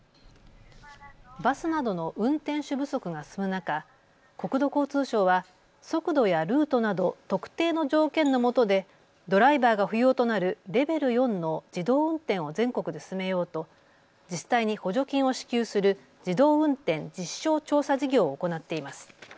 バスなどの運転手不足が進む中、国土交通省は速度やルートなど特定の条件のもとでドライバーが不要となるレベル４の自動運転を全国で進めようと自治体に補助金を支給する自動運転実証調査事業を行っています。